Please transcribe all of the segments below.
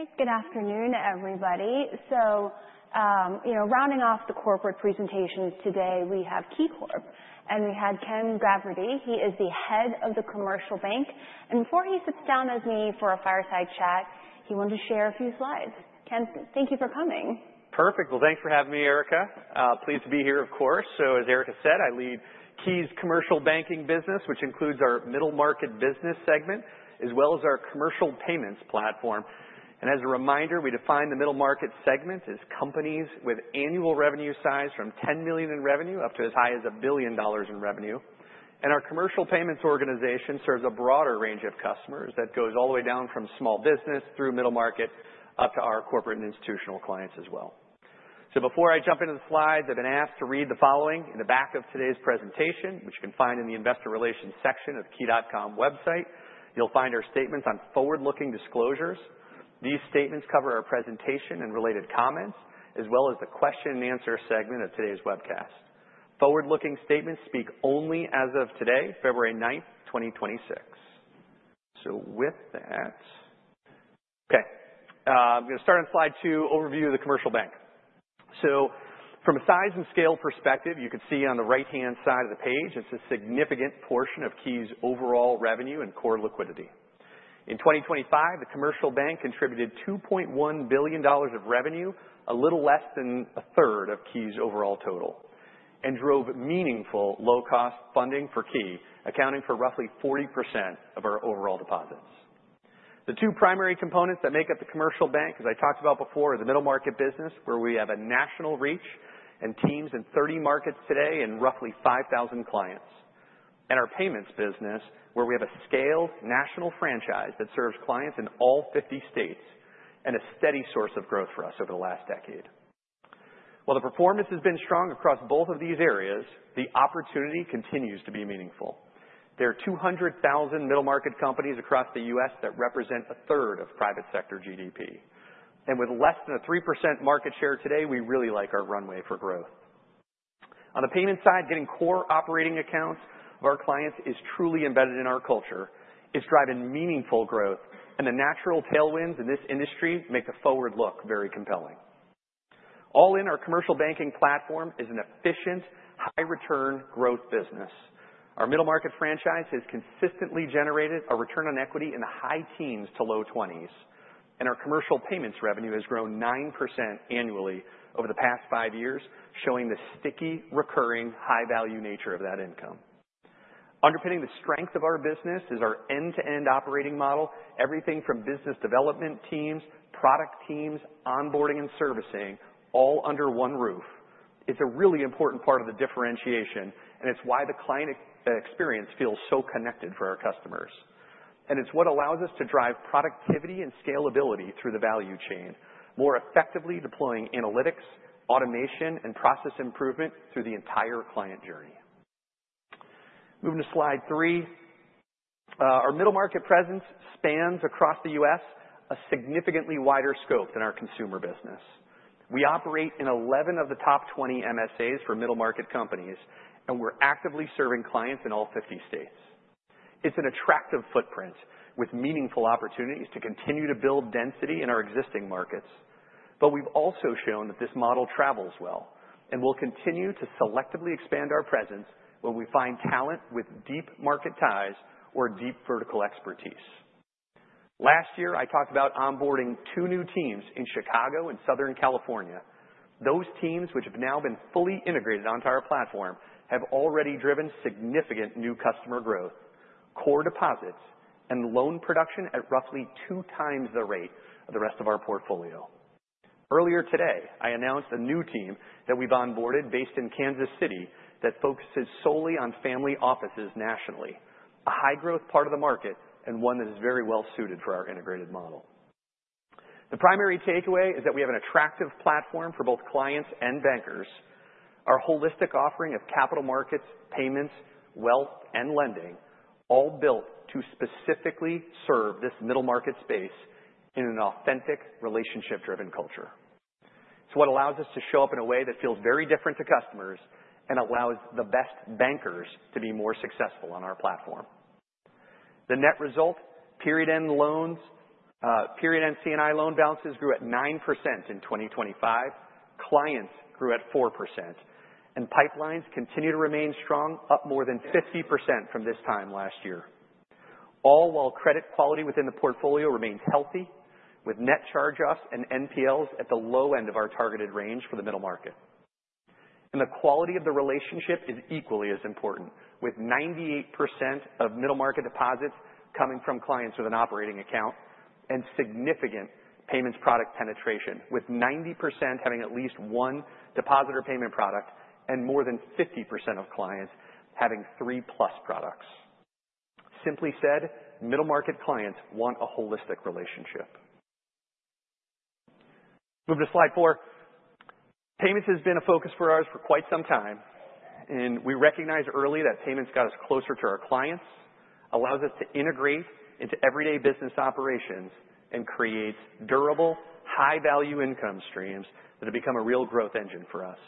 All right, good afternoon, everybody. So, you know, rounding off the corporate presentations today, we have KeyCorp, and we had Ken Gavrity. He is the head of the commercial bank, and before he sits down with me for a fireside chat, he wanted to share a few slides. Ken, thank you for coming. Perfect. Well, thanks for having me, Erika. Pleased to be here, of course. So, as Erika said, I lead Key's commercial banking business, which includes our middle-market business segment, as well as our commercial payments platform. And as a reminder, we define the middle-market segment as companies with annual revenue size from $10 million in revenue up to as high as $1 billion in revenue. And our commercial payments organization serves a broader range of customers that goes all the way down from small business through middle-market up to our corporate and institutional clients as well. So before I jump into the slides, I've been asked to read the following in the back of today's presentation, which you can find in the investor relations section of the key.com website. You'll find our statements on forward-looking disclosures. These statements cover our presentation and related comments, as well as the question-and-answer segment of today's webcast. Forward-looking statements speak only as of today, February 9th, 2026. So with that, okay, I'm gonna start on slide 2, overview of the commercial bank. From a size and scale perspective, you can see on the right-hand side of the page, it's a significant portion of Key's overall revenue and core liquidity. In 2025, the commercial bank contributed $2.1 billion of revenue, a little less than a third of Key's overall total, and drove meaningful low-cost funding for Key, accounting for roughly 40% of our overall deposits. The two primary components that make up the commercial bank, as I talked about before, are the Middle Market business, where we have a national reach and teams in 30 markets today and roughly 5,000 clients, and our payments business, where we have a scaled national franchise that serves clients in all 50 states and a steady source of growth for us over the last decade. While the performance has been strong across both of these areas, the opportunity continues to be meaningful. There are 200,000 Middle Market companies across the U.S. that represent a third of private sector GDP. With less than a 3% market share today, we really like our runway for growth. On the payment side, getting core operating accounts of our clients is truly embedded in our culture. It's driving meaningful growth, and the natural tailwinds in this industry make the forward look very compelling. All in, our commercial banking platform is an efficient, high-return growth business. Our middle-market franchise has consistently generated a return on equity in the high teens to low twenties, and our commercial payments revenue has grown 9% annually over the past five years, showing the sticky, recurring, high-value nature of that income. Underpinning the strength of our business is our end-to-end operating model, everything from business development teams, product teams, onboarding, and servicing, all under one roof. It's a really important part of the differentiation, and it's why the client experience feels so connected for our customers. And it's what allows us to drive productivity and scalability through the value chain, more effectively deploying analytics, automation, and process improvement through the entire client journey. Moving to slide three, our middle-market presence spans across the U.S. a significantly wider scope than our consumer business. We operate in 11 of the top 20 MSAs for middle-market companies, and we're actively serving clients in all 50 states. It's an attractive footprint with meaningful opportunities to continue to build density in our existing markets. But we've also shown that this model travels well, and we'll continue to selectively expand our presence when we find talent with deep market ties or deep vertical expertise. Last year, I talked about onboarding two new teams in Chicago and Southern California. Those teams, which have now been fully integrated onto our platform, have already driven significant new customer growth, core deposits, and loan production at roughly two times the rate of the rest of our portfolio. Earlier today, I announced a new team that we've onboarded based in Kansas City that focuses solely on family offices nationally, a high-growth part of the market and one that is very well suited for our integrated model. The primary takeaway is that we have an attractive platform for both clients and bankers, our holistic offering of capital markets, payments, wealth, and lending, all built to specifically serve this middle-market space in an authentic, relationship-driven culture. It's what allows us to show up in a way that feels very different to customers and allows the best bankers to be more successful on our platform. The net result, period-end loans, period-end C&I loan balances grew at 9% in 2025, clients grew at 4%, and pipelines continue to remain strong, up more than 50% from this time last year, all while credit quality within the portfolio remains healthy, with net charge-offs and NPLs at the low end of our targeted range for the middle market. The quality of the relationship is equally as important, with 98% of middle-market deposits coming from clients with an operating account and significant payments product penetration, with 90% having at least one deposit or payment product and more than 50% of clients having three-plus products. Simply said, middle-market clients want a holistic relationship. Move to slide 4. Payments has been a focus for ours for quite some time, and we recognize early that payments got us closer to our clients, allows us to integrate into everyday business operations, and creates durable, high-value income streams that have become a real growth engine for us.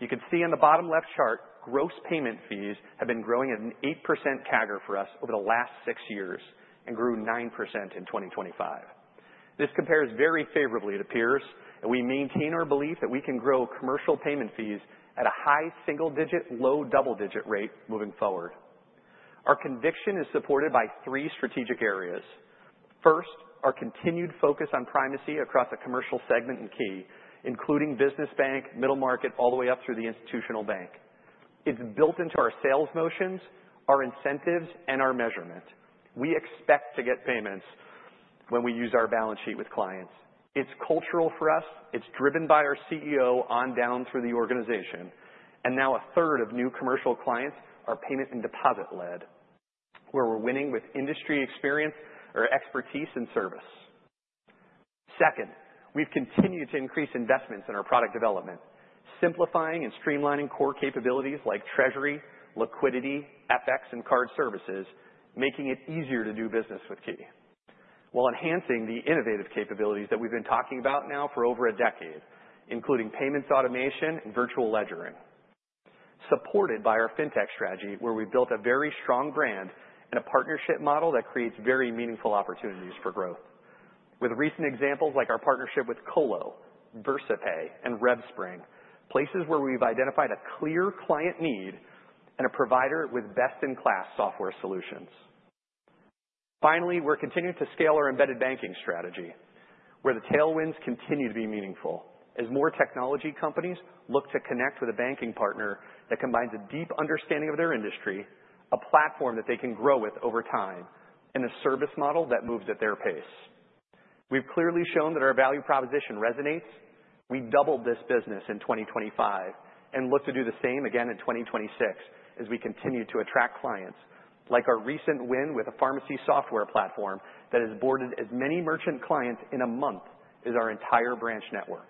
You can see on the bottom left chart, gross payment fees have been growing at an 8% CAGR for us over the last six years and grew 9% in 2025. This compares very favorably, it appears, and we maintain our belief that we can grow commercial payment fees at a high single-digit, low double-digit rate moving forward. Our conviction is supported by three strategic areas. First, our continued focus on primacy across a commercial segment in Key, including business bank, middle market, all the way up through the institutional bank. It's built into our sales motions, our incentives, and our measurement. We expect to get payments when we use our balance sheet with clients. It's cultural for us. It's driven by our CEO on down through the organization. And now a third of new commercial clients are payment and deposit-led, where we're winning with industry experience or expertise in service. Second, we've continued to increase investments in our product development, simplifying and streamlining core capabilities like treasury, liquidity, FX, and card services, making it easier to do business with Key, while enhancing the innovative capabilities that we've been talking about now for over a decade, including payments automation and virtual ledgering, supported by our fintech strategy, where we've built a very strong brand and a partnership model that creates very meaningful opportunities for growth, with recent examples like our partnership with Qolo, Versapay, and RevSpring, places where we've identified a clear client need and a provider with best-in-class software solutions. Finally, we're continuing to scale our embedded banking strategy, where the tailwinds continue to be meaningful as more technology companies look to connect with a banking partner that combines a deep understanding of their industry, a platform that they can grow with over time, and a service model that moves at their pace. We've clearly shown that our value proposition resonates. We doubled this business in 2025 and look to do the same again in 2026 as we continue to attract clients, like our recent win with a pharmacy software platform that has boarded as many merchant clients in a month as our entire branch network.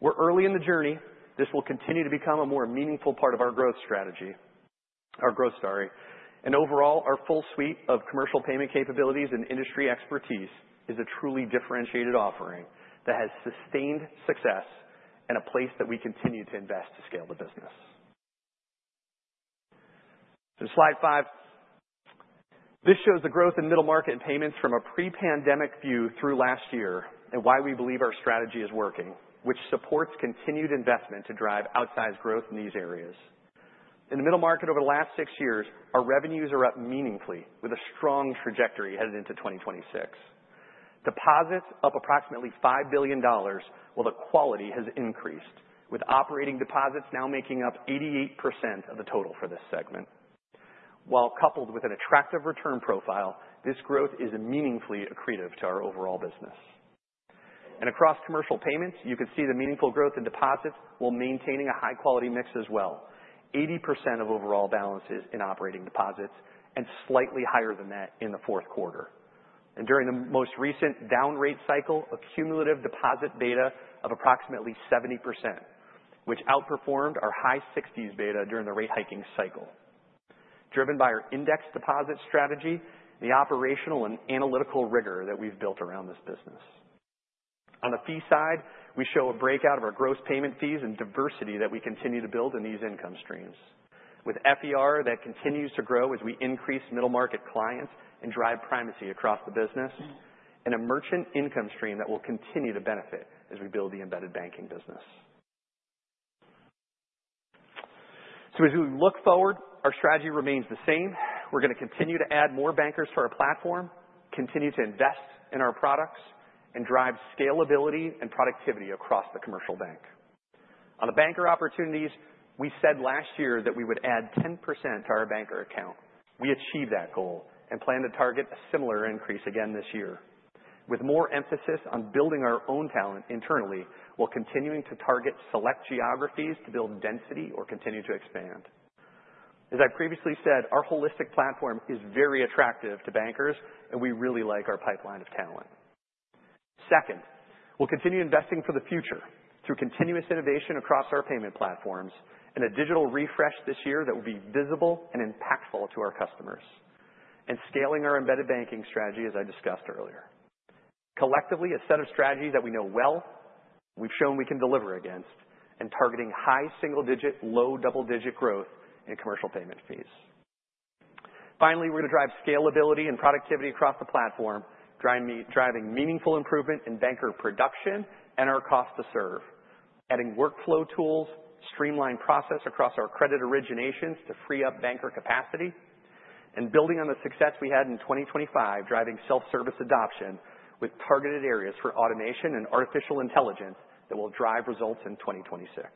We're early in the journey. This will continue to become a more meaningful part of our growth strategy, our growth story. Overall, our full suite of commercial payment capabilities and industry expertise is a truly differentiated offering that has sustained success and a place that we continue to invest to scale the business. Slide 5. This shows the growth in middle market and payments from a pre-pandemic view through last year and why we believe our strategy is working, which supports continued investment to drive outsized growth in these areas. In the middle market over the last six years, our revenues are up meaningfully with a strong trajectory headed into 2026. Deposits up approximately $5 billion, while the quality has increased, with operating deposits now making up 88% of the total for this segment. While coupled with an attractive return profile, this growth is meaningfully accretive to our overall business. Across commercial payments, you can see the meaningful growth in deposits while maintaining a high-quality mix as well, 80% of overall balances in operating deposits and slightly higher than that in the fourth quarter. During the most recent down-rate cycle, accumulative deposit beta of approximately 70%, which outperformed our high 60s beta during the rate hiking cycle, driven by our index deposit strategy and the operational and analytical rigor that we've built around this business. On the fee side, we show a breakout of our gross payment fees and diversity that we continue to build in these income streams, with FER that continues to grow as we increase middle market clients and drive primacy across the business, and a merchant income stream that will continue to benefit as we build the embedded banking business. As we look forward, our strategy remains the same. We're gonna continue to add more bankers to our platform, continue to invest in our products, and drive scalability and productivity across the commercial bank. On the banker opportunities, we said last year that we would add 10% to our banker account. We achieved that goal and plan to target a similar increase again this year, with more emphasis on building our own talent internally while continuing to target select geographies to build density or continue to expand. As I've previously said, our holistic platform is very attractive to bankers, and we really like our pipeline of talent. Second, we'll continue investing for the future through continuous innovation across our payment platforms and a digital refresh this year that will be visible and impactful to our customers and scaling our embedded banking strategy, as I discussed earlier. Collectively, a set of strategies that we know well, we've shown we can deliver against, and targeting high single-digit, low double-digit growth in commercial payment fees. Finally, we're gonna drive scalability and productivity across the platform, driving meaningful improvement in banker production and our cost to serve, adding workflow tools, streamlined processes across our credit originations to free up banker capacity, and building on the success we had in 2025, driving self-service adoption with targeted areas for automation and artificial intelligence that will drive results in 2026.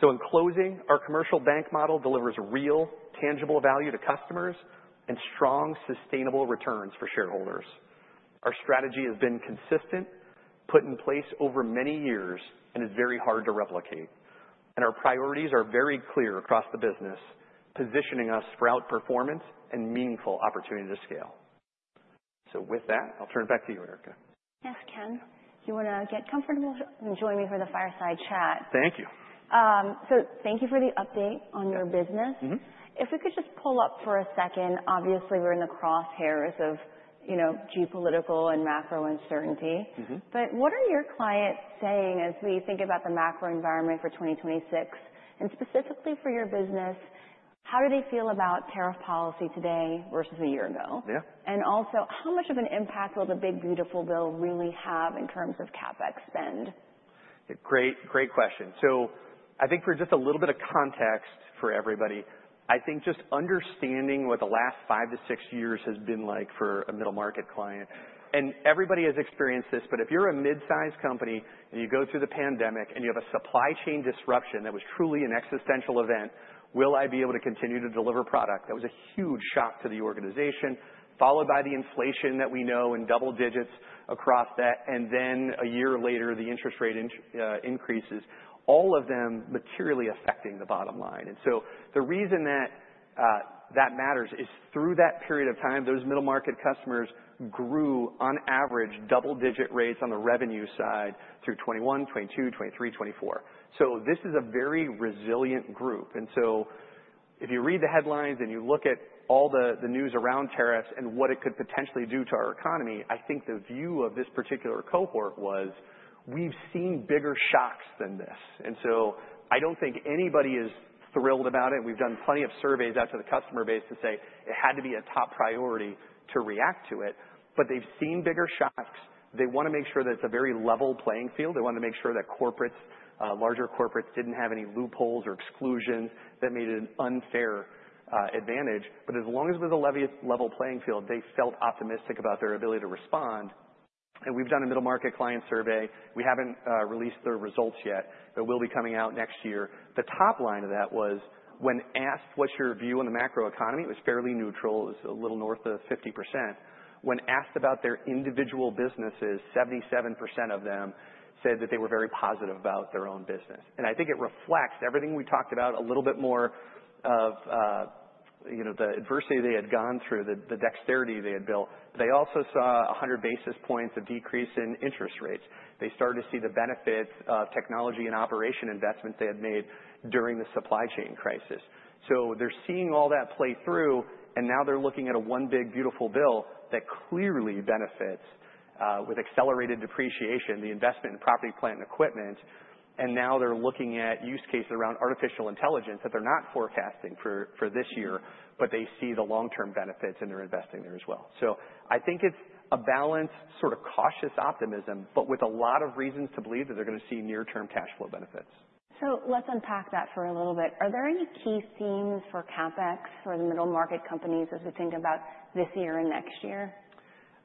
So in closing, our commercial bank model delivers real, tangible value to customers and strong, sustainable returns for shareholders. Our strategy has been consistent, put in place over many years, and is very hard to replicate. Our priorities are very clear across the business, positioning us for outperformance and meaningful opportunity to scale. With that, I'll turn it back to you, Erika. Yes, Ken. You wanna get comfortable and join me for the fireside chat. Thank you. Thank you for the update on your business. If we could just pull up for a second, obviously, we're in the crosshairs of, you know, geopolitical and macro uncertainty. But what are your clients saying as we think about the macro environment for 2026 and specifically for your business? How do they feel about tariff policy today versus a year ago? Yeah. Also, how much of an impact will the big, beautiful bill really have in terms of CapEx spend? Great, great question. So I think for just a little bit of context for everybody, I think just understanding what the last 5-6 years has been like for a middle market client, and everybody has experienced this, but if you're a midsize company and you go through the pandemic and you have a supply chain disruption that was truly an existential event, will I be able to continue to deliver product? That was a huge shock to the organization, followed by the inflation that we know in double digits across that, and then a year later, the interest rate increases, all of them materially affecting the bottom line. And so the reason that that matters is through that period of time, those middle market customers grew, on average, double-digit rates on the revenue side through 2021, 2022, 2023, 2024. So this is a very resilient group. And so if you read the headlines and you look at all the news around tariffs and what it could potentially do to our economy, I think the view of this particular cohort was, "We've seen bigger shocks than this." And so I don't think anybody is thrilled about it. We've done plenty of surveys out to the customer base to say it had to be a top priority to react to it. But they've seen bigger shocks. They wanna make sure that it's a very level playing field. They wanna make sure that corporates, larger corporates, didn't have any loopholes or exclusions that made it an unfair advantage. But as long as it was a level playing field, they felt optimistic about their ability to respond. And we've done a middle market client survey. We haven't released the results yet, but will be coming out next year. The top line of that was, when asked, "What's your view on the macro economy?" It was fairly neutral. It was a little north of 50%. When asked about their individual businesses, 77% of them said that they were very positive about their own business. And I think it reflects everything we talked about, a little bit more of, you know, the adversity they had gone through, the dexterity they had built. But they also saw 100 basis points of decrease in interest rates. They started to see the benefits of technology and operation investments they had made during the supply chain crisis. So they're seeing all that play through, and now they're looking at a one big, beautiful bill that clearly benefits with accelerated depreciation, the investment in property, plant, and equipment. And now they're looking at use cases around artificial intelligence that they're not forecasting for this year, but they see the long-term benefits and they're investing there as well. So I think it's a balanced sort of cautious optimism, but with a lot of reasons to believe that they're gonna see near-term cash flow benefits. So let's unpack that for a little bit. Are there any key themes for CapEx for the middle market companies as we think about this year and next year?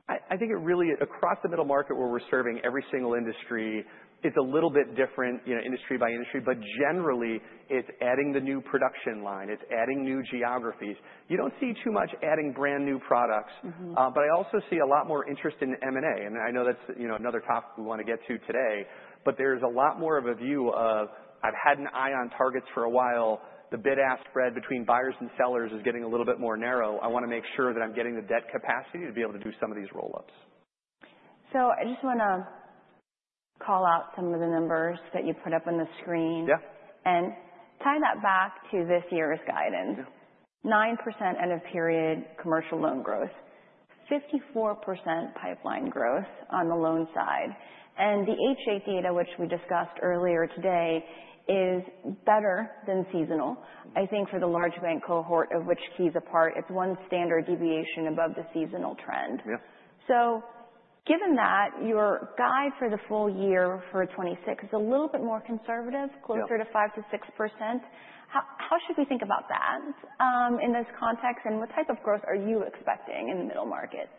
I think it really, across the middle market where we're serving every single industry, it's a little bit different, you know, industry by industry, but generally, it's adding the new production line. It's adding new geographies. You don't see too much adding brand new products, but I also see a lot more interest in M&A. And I know that's, you know, another topic we wanna get to today, but there's a lot more of a view of, "I've had an eye on targets for a while. The bid-ask spread between buyers and sellers is getting a little bit more narrow. I wanna make sure that I'm getting the debt capacity to be able to do some of these rollups. I just wanna call out some of the numbers that you put up on the screen. Yeah. Tie that back to this year's guidance. Yeah. 9% end-of-period commercial loan growth, 54% pipeline growth on the loan side. The H.8 data, which we discussed earlier today, is better than seasonal. I think for the large bank cohort, of which Key's a part, it's one standard deviation above the seasonal trend. Yes. So given that, your guide for the full year for 2026 is a little bit more conservative, closer to 5%-6%. How should we think about that in this context? And what type of growth are you expecting in the middle market?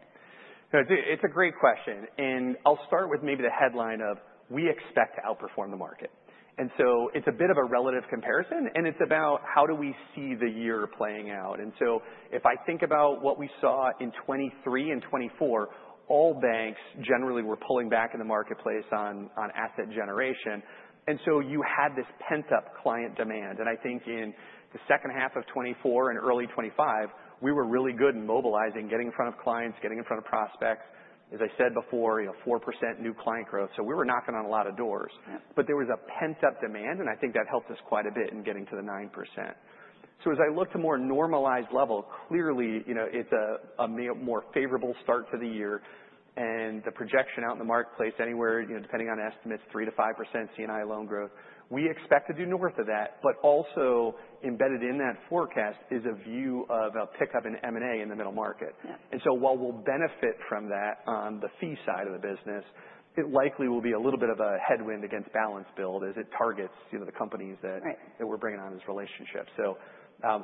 Yeah, it's a great question. And I'll start with maybe the headline of, "We expect to outperform the market." And so it's a bit of a relative comparison, and it's about how do we see the year playing out? And so if I think about what we saw in 2023 and 2024, all banks generally were pulling back in the marketplace on asset generation. And so you had this pent-up client demand. And I think in the second half of 2024 and early 2025, we were really good in mobilizing, getting in front of clients, getting in front of prospects. As I said before, you know, 4% new client growth. So we were knocking on a lot of doors. But there was a pent-up demand, and I think that helped us quite a bit in getting to the 9%. As I look to more normalized level, clearly, you know, it's a more favorable start to the year. The projection out in the marketplace anywhere, you know, depending on estimates, 3%-5% C&I loan growth. We expect to do north of that, but also embedded in that forecast is a view of a pickup in M&A in the middle market. So while we'll benefit from that on the fee side of the business, it likely will be a little bit of a headwind against balance build as it targets, you know, the companies that we're bringing on as relationships.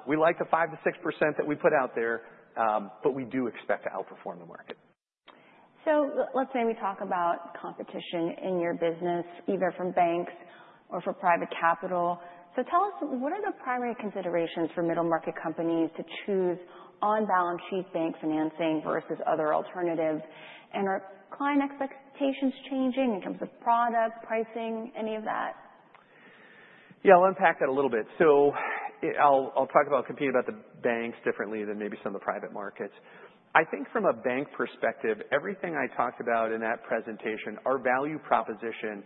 We like the 5%-6% that we put out there, but we do expect to outperform the market. Let's say we talk about competition in your business, either from banks or for private capital. Tell us, what are the primary considerations for middle market companies to choose on balance sheet bank financing versus other alternatives? And are client expectations changing in terms of product, pricing, any of that? Yeah, I'll unpack that a little bit. So I'll talk about competing about the banks differently than maybe some of the private markets. I think from a bank perspective, everything I talked about in that presentation, our value proposition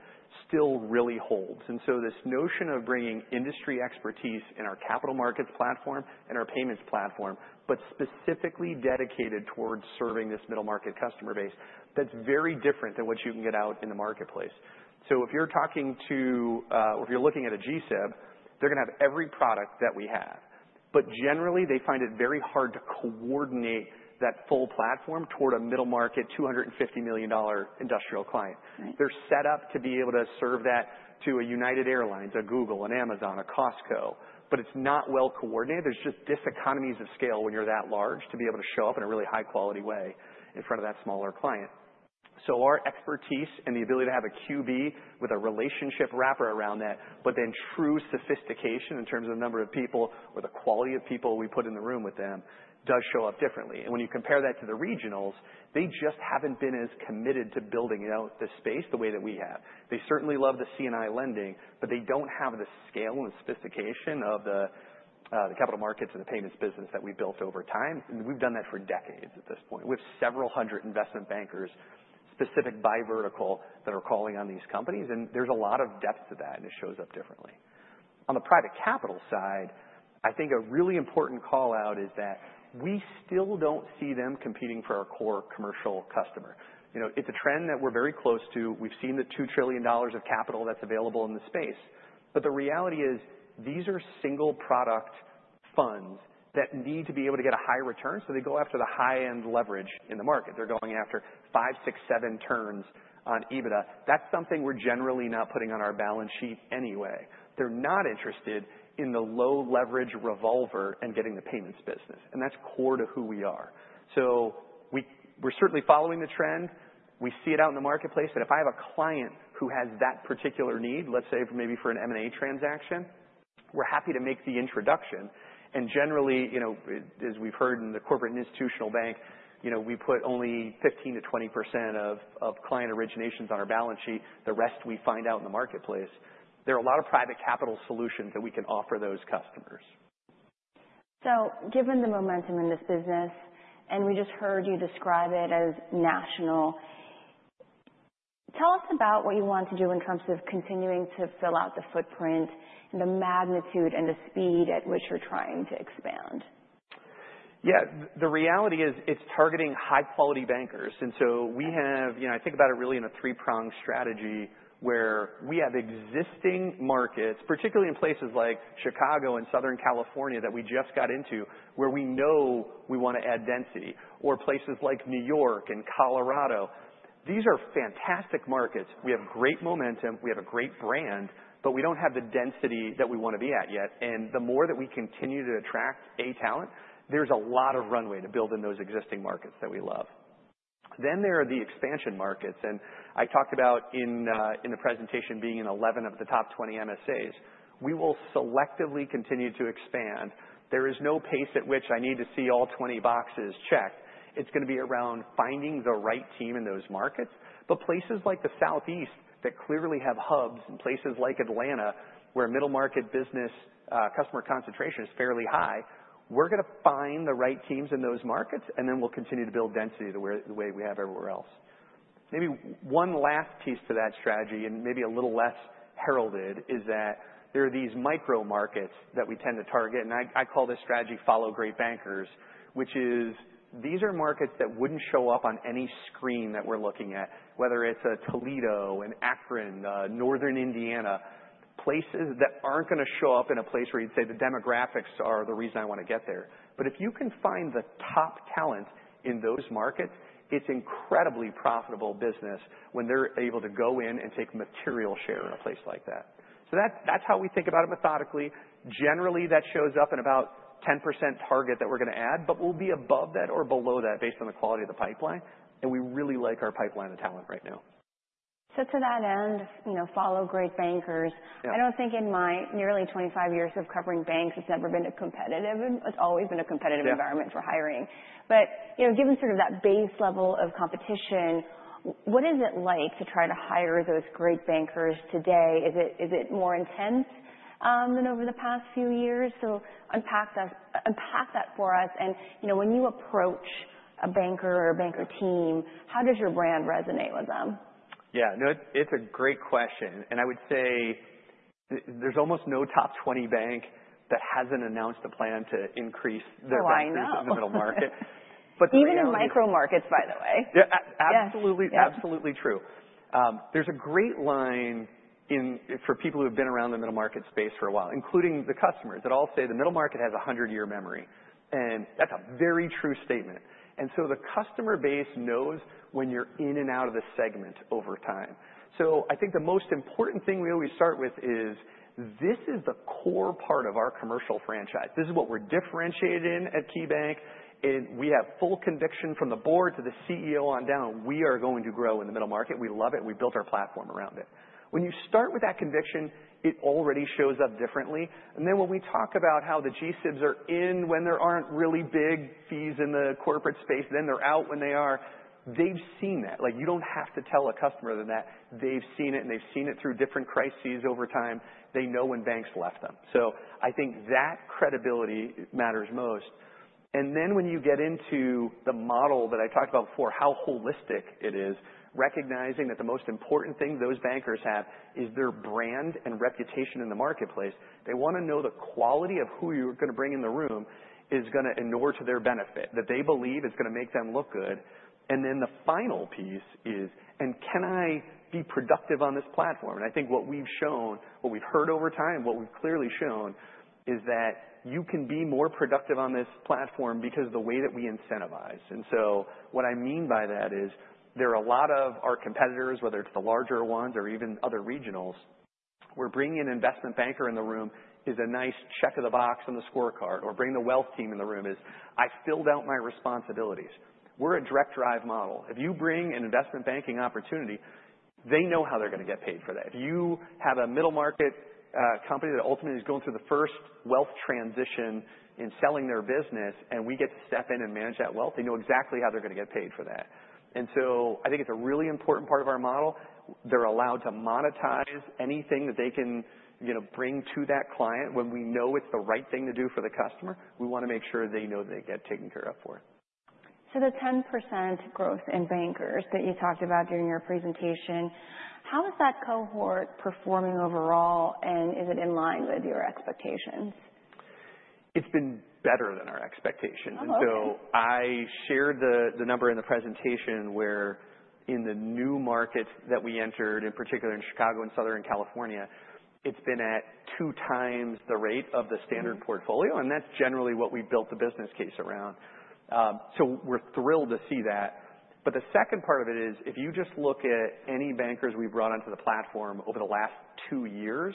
still really holds. And so this notion of bringing industry expertise in our capital markets platform and our payments platform, but specifically dedicated towards serving this middle market customer base, that's very different than what you can get out in the marketplace. So if you're talking to, or if you're looking at a G-SIB, they're gonna have every product that we have. But generally, they find it very hard to coordinate that full platform toward a middle market $250 million industrial client. They're set up to be able to serve that to a United Airlines, a Google, an Amazon, a Costco. But it's not well coordinated. There's just diseconomies of scale when you're that large to be able to show up in a really high-quality way in front of that smaller client. So our expertise and the ability to have a QB with a relationship wrapper around that, but then true sophistication in terms of the number of people or the quality of people we put in the room with them, does show up differently. And when you compare that to the regionals, they just haven't been as committed to building, you know, the space the way that we have. They certainly love the C&I lending, but they don't have the scale and the sophistication of the capital markets and the payments business that we built over time. And we've done that for decades at this point. We have several hundred investment bankers, specific by vertical, that are calling on these companies, and there's a lot of depth to that, and it shows up differently. On the private capital side, I think a really important callout is that we still don't see them competing for our core commercial customer. You know, it's a trend that we're very close to. We've seen the $2 trillion of capital that's available in the space. But the reality is these are single product funds that need to be able to get a high return, so they go after the high-end leverage in the market. They're going after 5, 6, 7 turns on EBITDA. That's something we're generally not putting on our balance sheet anyway. They're not interested in the low-leverage revolver and getting the payments business. And that's core to who we are. So we're certainly following the trend. We see it out in the marketplace. If I have a client who has that particular need, let's say maybe for an M&A transaction, we're happy to make the introduction. Generally, you know, as we've heard in the corporate and institutional bank, you know, we put only 15%-20% of client originations on our balance sheet. The rest, we find out in the marketplace. There are a lot of private capital solutions that we can offer those customers. So given the momentum in this business, and we just heard you describe it as national, tell us about what you want to do in terms of continuing to fill out the footprint and the magnitude and the speed at which you're trying to expand. Yeah, the reality is it's targeting high-quality bankers. And so we have, you know, I think about it really in a three-pronged strategy where we have existing markets, particularly in places like Chicago and Southern California that we just got into, where we know we wanna add density, or places like New York and Colorado. These are fantastic markets. We have great momentum. We have a great brand, but we don't have the density that we wanna be at yet. And the more that we continue to attract A talent, there's a lot of runway to build in those existing markets that we love. Then there are the expansion markets. And I talked about in the presentation being in 11 of the top 20 MSAs. We will selectively continue to expand. There is no pace at which I need to see all 20 boxes checked. It's gonna be around finding the right team in those markets. But places like the Southeast that clearly have hubs and places like Atlanta where Middle Market business customer concentration is fairly high, we're gonna find the right teams in those markets, and then we'll continue to build density the way we have everywhere else. Maybe one last piece to that strategy, and maybe a little less heralded, is that there are these micro markets that we tend to target. I call this strategy follow great bankers, which is these are markets that wouldn't show up on any screen that we're looking at, whether it's a Toledo, an Akron, Northern Indiana, places that aren't gonna show up in a place where you'd say the demographics are the reason I wanna get there. But if you can find the top talent in those markets, it's incredibly profitable business when they're able to go in and take material share in a place like that. So that's how we think about it methodically. Generally, that shows up in about 10% target that we're gonna add, but we'll be above that or below that based on the quality of the pipeline. And we really like our pipeline of talent right now. So to that end, you know, follow great bankers. I don't think in my nearly 25 years of covering banks, it's never been a competitive. It's always been a competitive environment for hiring. But, you know, given sort of that base level of competition, what is it like to try to hire those great bankers today? Is it more intense than over the past few years? So unpack that for us. And, you know, when you approach a banker or a banker team, how does your brand resonate with them? Yeah, no, it's a great question. I would say there's almost no top 20 bank that hasn't announced a plan to increase their bank services in the middle market. Oh, I know. But the reality is Even in micro markets, by the way. Yeah, absolutely, absolutely true. There's a great line for people who have been around the Middle Market space for a while, including the customers. It'll say the Middle Market has a 100-year memory. And that's a very true statement. And so the customer base knows when you're in and out of the segment over time. So I think the most important thing we always start with is this is the core part of our commercial franchise. This is what we're differentiated in at KeyBank. And we have full conviction from the board to the CEO on down. We are going to grow in the Middle Market. We love it. We built our platform around it. When you start with that conviction, it already shows up differently. And then when we talk about how the G-SIBs are in when there aren't really big fees in the corporate space, then they're out when they are, they've seen that. Like, you don't have to tell a customer other than that. They've seen it, and they've seen it through different crises over time. They know when banks left them. So I think that credibility matters most. And then when you get into the model that I talked about before, how holistic it is, recognizing that the most important thing those bankers have is their brand and reputation in the marketplace. They wanna know the quality of who you're gonna bring in the room is gonna endure to their benefit, that they believe is gonna make them look good. And then the final piece is, and can I be productive on this platform? I think what we've shown, what we've heard over time, what we've clearly shown is that you can be more productive on this platform because of the way that we incentivize. And so what I mean by that is there are a lot of our competitors, whether it's the larger ones or even other regionals, where bringing an investment banker in the room is a nice check of the box on the scorecard, or bringing the wealth team in the room is, "I filled out my responsibilities." We're a direct drive model. If you bring an investment banking opportunity, they know how they're gonna get paid for that. If you have a middle market company that ultimately is going through the first wealth transition in selling their business, and we get to step in and manage that wealth, they know exactly how they're gonna get paid for that. I think it's a really important part of our model. They're allowed to monetize anything that they can, you know, bring to that client. When we know it's the right thing to do for the customer, we wanna make sure they know that they get taken care of for it. The 10% growth in bankers that you talked about during your presentation, how is that cohort performing overall, and is it in line with your expectations? It's been better than our expectations. So I shared the number in the presentation where in the new markets that we entered, in particular in Chicago and Southern California, it's been at 2x the rate of the standard portfolio, and that's generally what we built the business case around. So we're thrilled to see that. But the second part of it is if you just look at any bankers we've brought onto the platform over the last two years,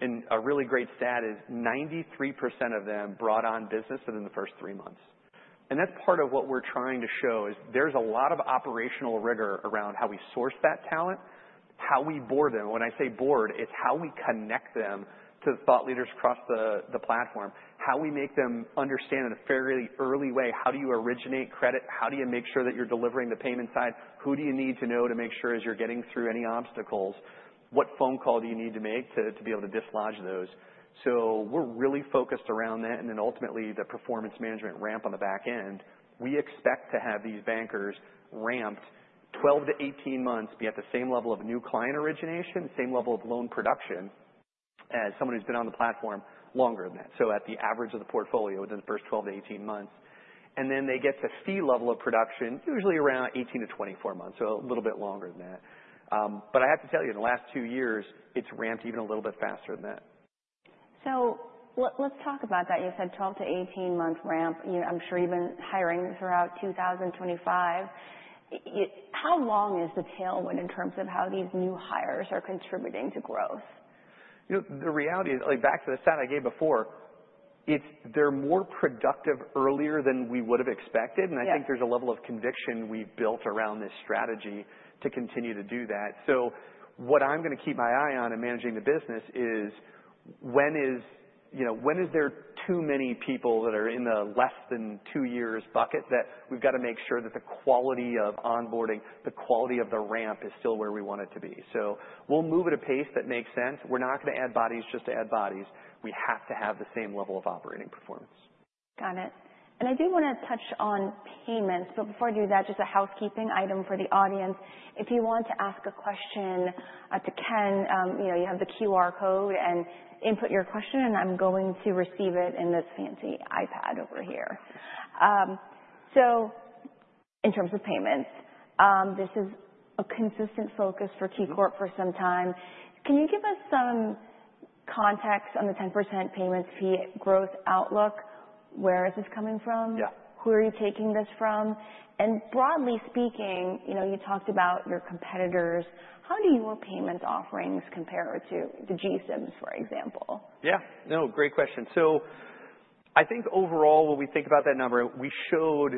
and a really great stat is 93% of them brought on business within the first three months. And that's part of what we're trying to show is there's a lot of operational rigor around how we source that talent, how we board them. When I say boarded, it's how we connect them to the thought leaders across the platform, how we make them understand in a fairly early way, how do you originate credit, how do you make sure that you're delivering the payment side, who do you need to know to make sure as you're getting through any obstacles, what phone call do you need to make to be able to dislodge those. We're really focused around that. Then ultimately, the performance management ramp on the back end, we expect to have these bankers ramped 12-18 months, be at the same level of new client origination, same level of loan production as someone who's been on the platform longer than that, so at the average of the portfolio within the first 12-18 months. Then they get to fee level of production, usually around 18-24 months, so a little bit longer than that. I have to tell you, in the last two years, it's ramped even a little bit faster than that. So let's talk about that. You said 12-18-month ramp. You know, I'm sure even hiring throughout 2025, how long is the tailwind in terms of how these new hires are contributing to growth? You know, the reality is, like, back to the stat I gave before, they're more productive earlier than we would have expected. And I think there's a level of conviction we've built around this strategy to continue to do that. So what I'm gonna keep my eye on in managing the business is when is, you know, when is there too many people that are in the less than two years bucket that we've gotta make sure that the quality of onboarding, the quality of the ramp is still where we want it to be. So we'll move at a pace that makes sense. We're not gonna add bodies just to add bodies. We have to have the same level of operating performance. Got it. And I do wanna touch on payments. But before I do that, just a housekeeping item for the audience. If you want to ask a question to Ken, you know, you have the QR code and input your question, and I'm going to receive it in this fancy iPad over here. So in terms of payments, this is a consistent focus for KeyCorp for some time. Can you give us some context on the 10% payments fee growth outlook? Where is this coming from? Yeah. Who are you taking this from? Broadly speaking, you know, you talked about your competitors. How do your payments offerings compare to the G-SIBs, for example? Yeah, no, great question. So I think overall, when we think about that number, we showed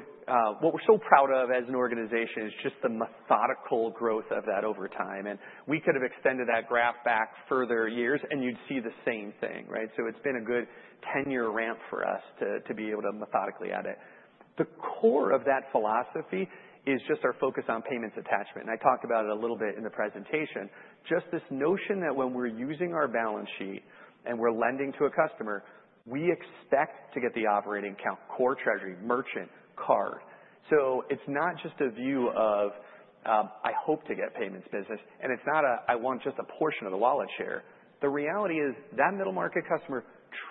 what we're so proud of as an organization is just the methodical growth of that over time. And we could have extended that graph back further years, and you'd see the same thing, right? So it's been a good 10-year ramp for us to be able to methodically add it. The core of that philosophy is just our focus on payments attachment. And I talked about it a little bit in the presentation, just this notion that when we're using our balance sheet and we're lending to a customer, we expect to get the operating account, core treasury, merchant, card. So it's not just a view of, "I hope to get payments business," and it's not a, "I want just a portion of the wallet share." The reality is that Middle Market customer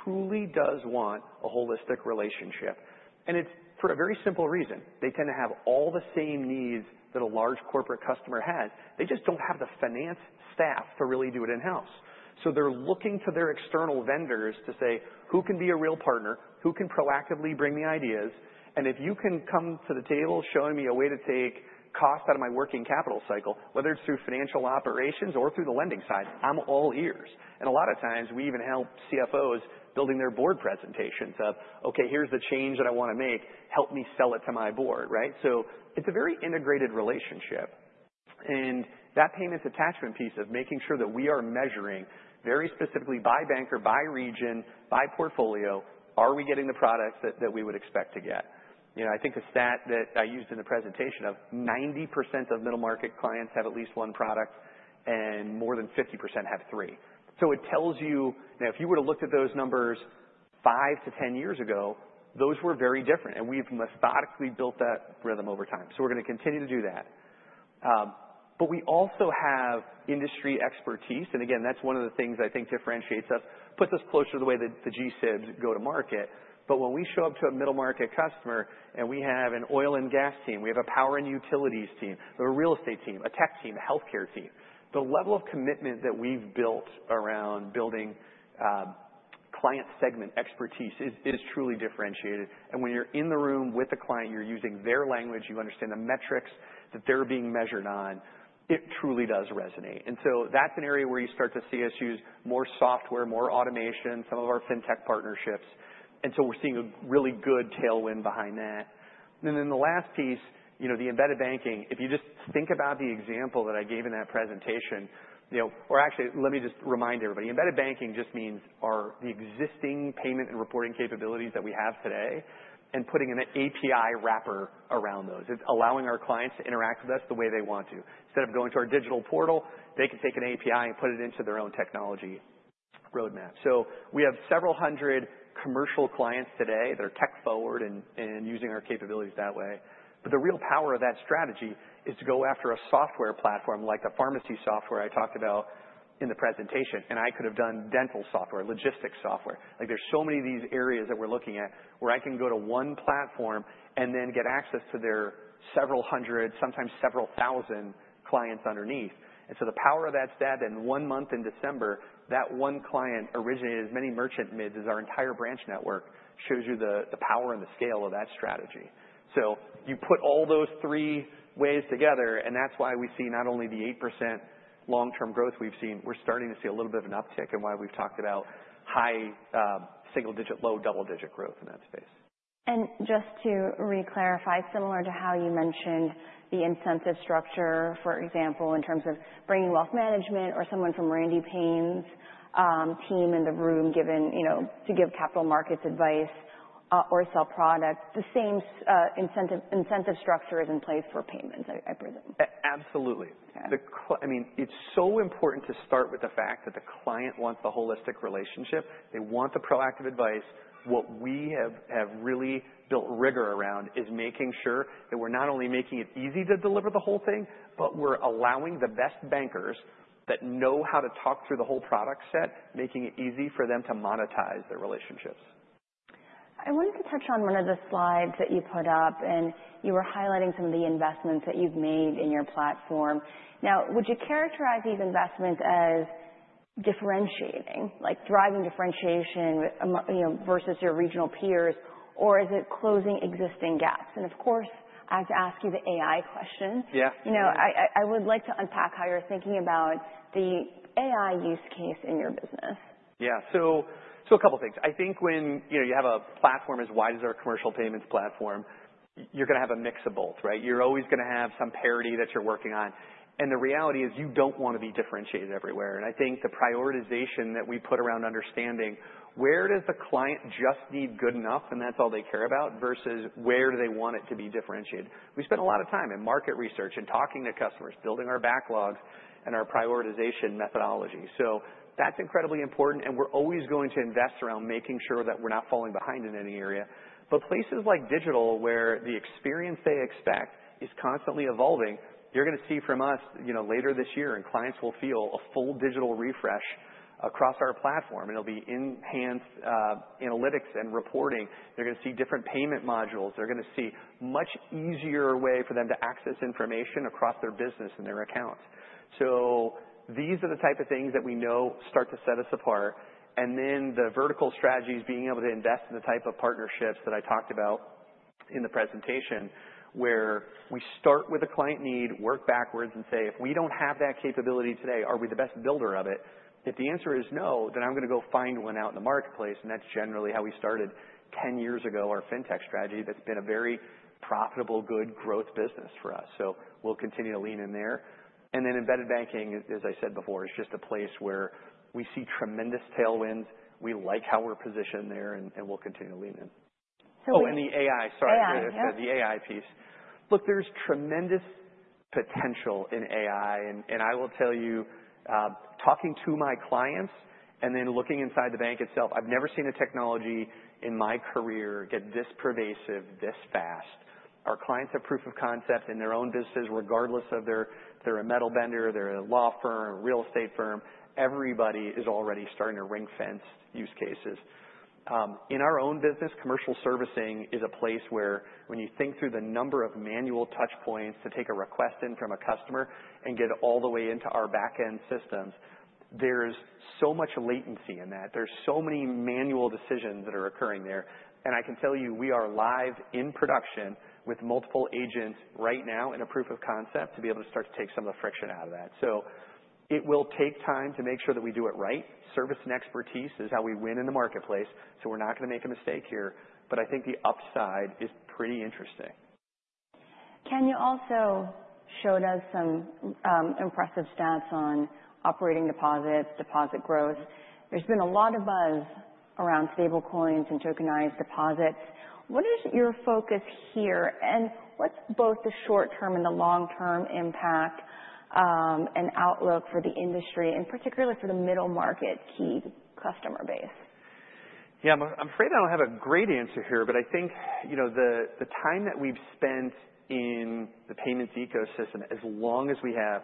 truly does want a holistic relationship. And it's for a very simple reason. They tend to have all the same needs that a large corporate customer has. They just don't have the finance staff to really do it in-house. So they're looking to their external vendors to say, "Who can be a real partner? Who can proactively bring the ideas? And if you can come to the table showing me a way to take cost out of my working capital cycle, whether it's through financial operations or through the lending side, I'm all ears." And a lot of times, we even help CFOs building their board presentations of, "Okay, here's the change that I wanna make. Help me sell it to my board," right? So it's a very integrated relationship. And that payments attachment piece of making sure that we are measuring very specifically by banker, by region, by portfolio, are we getting the products that we would expect to get? You know, I think a stat that I used in the presentation of 90% of Middle Market clients have at least one product, and more than 50% have three. So it tells you, now, if you would have looked at those numbers five to 10 years ago, those were very different. And we've methodically built that rhythm over time. So we're gonna continue to do that. But we also have industry expertise. And again, that's one of the things I think differentiates us, puts us closer to the way that the G-SIBs go to market. But when we show up to a middle market customer and we have an oil and gas team, we have a power and utilities team, a real estate team, a tech team, a healthcare team, the level of commitment that we've built around building client segment expertise is truly differentiated. And when you're in the room with the client, you're using their language, you understand the metrics that they're being measured on, it truly does resonate. And so that's an area where you start to see us use more software, more automation, some of our fintech partnerships. And so we're seeing a really good tailwind behind that. And then the last piece, you know, the Embedded Banking, if you just think about the example that I gave in that presentation, you know, or actually, let me just remind everybody, Embedded Banking just means the existing payment and reporting capabilities that we have today and putting an API wrapper around those. It's allowing our clients to interact with us the way they want to. Instead of going to our digital portal, they can take an API and put it into their own technology roadmap. So we have several hundred commercial clients today that are tech-forward and using our capabilities that way. But the real power of that strategy is to go after a software platform like the pharmacy software I talked about in the presentation. And I could have done dental software, logistics software. Like, there's so many of these areas that we're looking at where I can go to one platform and then get access to their several hundred, sometimes several thousand clients underneath. And so the power of that stat that in one month in December, that one client originated as many merchant MIDs as our entire branch network shows you the power and the scale of that strategy. So you put all those three ways together, and that's why we see not only the 8% long-term growth we've seen, we're starting to see a little bit of an uptick in why we've talked about high single-digit, low double-digit growth in that space. Just to reclarify, similar to how you mentioned the incentive structure, for example, in terms of bringing wealth management or someone from Randy Paine's team in the room given, you know, to give capital markets advice or sell products, the same incentive structure is in place for payments, I presume. Absolutely. Okay. I mean, it's so important to start with the fact that the client wants a holistic relationship. They want the proactive advice. What we have really built rigor around is making sure that we're not only making it easy to deliver the whole thing, but we're allowing the best bankers that know how to talk through the whole product set, making it easy for them to monetize their relationships. I wanted to touch on one of the slides that you put up, and you were highlighting some of the investments that you've made in your platform. Now, would you characterize these investments as differentiating, like driving differentiation, you know, versus your regional peers, or is it closing existing gaps? And of course, I have to ask you the AI question. Yeah. You know, I would like to unpack how you're thinking about the AI use case in your business. Yeah, so a couple of things. I think when, you know, you have a platform as wide as our commercial payments platform, you're gonna have a mix of both, right? You're always gonna have some parity that you're working on. And the reality is you don't wanna be differentiated everywhere. And I think the prioritization that we put around understanding where does the client just need good enough, and that's all they care about, versus where do they want it to be differentiated? We spent a lot of time in market research and talking to customers, building our backlogs and our prioritization methodology. So that's incredibly important, and we're always going to invest around making sure that we're not falling behind in any area. But places like digital, where the experience they expect is constantly evolving, you're gonna see from us, you know, later this year, and clients will feel a full digital refresh across our platform. And it'll be enhanced analytics and reporting. They're gonna see different payment modules. They're gonna see a much easier way for them to access information across their business and their accounts. So these are the type of things that we know start to set us apart. And then the vertical strategies, being able to invest in the type of partnerships that I talked about in the presentation, where we start with a client need, work backwards, and say, "If we don't have that capability today, are we the best builder of it?" If the answer is no, then I'm gonna go find one out in the marketplace. That's generally how we started 10 years ago, our fintech strategy that's been a very profitable, good growth business for us. We'll continue to lean in there. Then embedded banking, as I said before, is just a place where we see tremendous tailwinds. We like how we're positioned there, and we'll continue to lean in. So we. Oh, and the AI. Sorry. Yeah, yeah. The AI piece. Look, there's tremendous potential in AI. I will tell you, talking to my clients and then looking inside the bank itself, I've never seen a technology in my career get this pervasive, this fast. Our clients have proof of concept in their own businesses, regardless of whether they're a metal bender, they're a law firm, a real estate firm. Everybody is already starting to ring-fence use cases. In our own business, commercial servicing is a place where when you think through the number of manual touchpoints to take a request in from a customer and get all the way into our backend systems, there's so much latency in that. There's so many manual decisions that are occurring there. I can tell you, we are live in production with multiple agents right now in a proof of concept to be able to start to take some of the friction out of that. It will take time to make sure that we do it right. Service and expertise is how we win in the marketplace, so we're not gonna make a mistake here. I think the upside is pretty interesting. Ken also showed us some impressive stats on operating deposits, deposit growth. There's been a lot of buzz around stablecoins and tokenized deposits. What is your focus here, and what's both the short-term and the long-term impact and outlook for the industry, and particularly for the middle market Key customer base? Yeah, I'm afraid I don't have a great answer here, but I think, you know, the time that we've spent in the payments ecosystem, as long as we have,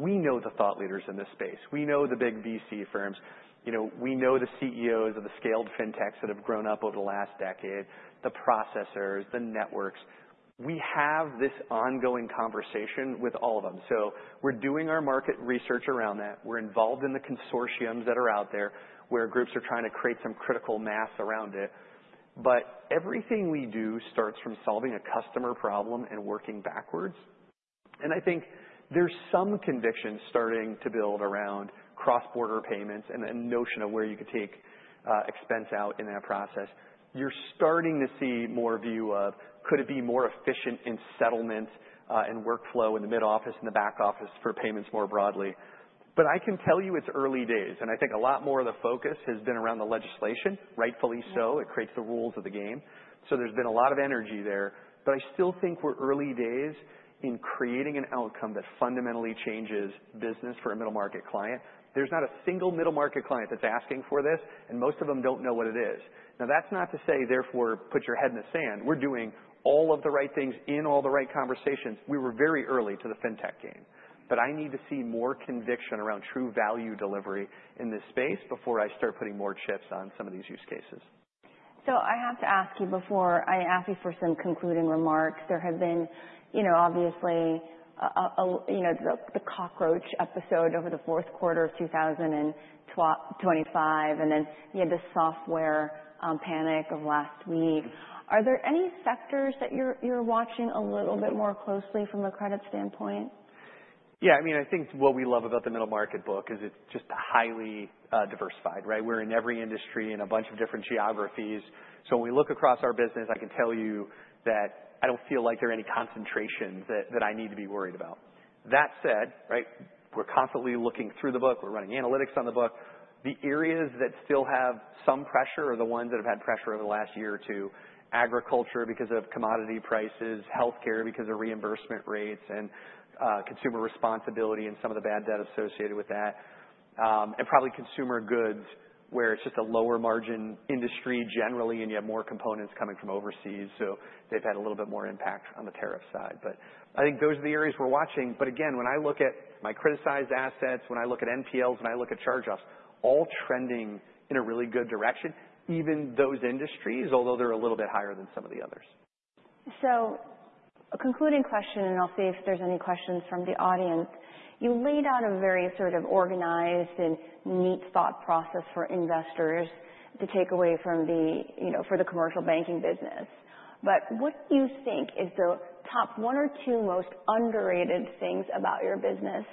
we know the thought leaders in this space. We know the big VC firms. You know, we know the CEOs of the scaled fintechs that have grown up over the last decade, the processors, the networks. We have this ongoing conversation with all of them. So we're doing our market research around that. We're involved in the consortiums that are out there where groups are trying to create some critical mass around it. But everything we do starts from solving a customer problem and working backwards. And I think there's some conviction starting to build around cross-border payments and the notion of where you could take expense out in that process. You're starting to see more view of, could it be more efficient in settlement and workflow in the mid-office and the back-office for payments more broadly? But I can tell you it's early days. And I think a lot more of the focus has been around the legislation, rightfully so. It creates the rules of the game. So there's been a lot of energy there. But I still think we're early days in creating an outcome that fundamentally changes business for a middle market client. There's not a single middle market client that's asking for this, and most of them don't know what it is. Now, that's not to say, therefore, put your head in the sand. We're doing all of the right things in all the right conversations. We were very early to the fintech game. But I need to see more conviction around true value delivery in this space before I start putting more chips on some of these use cases. I have to ask you before I ask you for some concluding remarks. There have been, you know, obviously, you know, the cockroach episode over the fourth quarter of 2025, and then you had the software panic of last week. Are there any sectors that you're watching a little bit more closely from a credit standpoint? Yeah, I mean, I think what we love about the middle market book is it's just highly diversified, right? We're in every industry in a bunch of different geographies. So when we look across our business, I can tell you that I don't feel like there are any concentrations that I need to be worried about. That said, right, we're constantly looking through the book. We're running analytics on the book. The areas that still have some pressure are the ones that have had pressure over the last year or two: agriculture because of commodity prices, healthcare because of reimbursement rates and consumer responsibility and some of the bad debt associated with that, and probably consumer goods where it's just a lower-margin industry generally, and you have more components coming from overseas. So they've had a little bit more impact on the tariff side. But I think those are the areas we're watching. But again, when I look at my criticized assets, when I look at NPLs, when I look at chargebacks, all trending in a really good direction, even those industries, although they're a little bit higher than some of the others. So a concluding question, and I'll see if there's any questions from the audience. You laid out a very sort of organized and neat thought process for investors to take away from the, you know, for the commercial banking business. But what do you think is the top one or two most underrated things about your business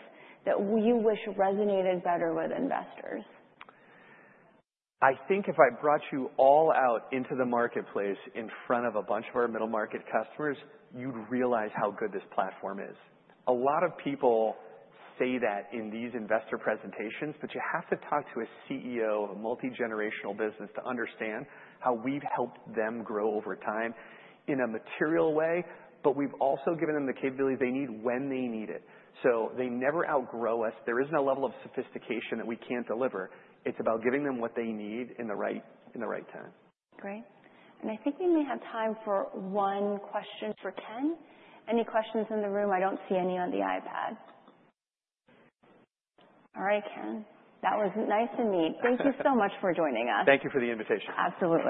that you wish resonated better with investors? I think if I brought you all out into the marketplace in front of a bunch of our middle market customers, you'd realize how good this platform is. A lot of people say that in these investor presentations, but you have to talk to a CEO of a multi-generational business to understand how we've helped them grow over time in a material way, but we've also given them the capabilities they need when they need it. So they never outgrow us. There isn't a level of sophistication that we can't deliver. It's about giving them what they need at the right time. Great. I think we may have time for one question for Ken. Any questions in the room? I don't see any on the iPad. All right, Ken. That was nice and neat. Thank you so much for joining us. Thank you for the invitation. Absolutely.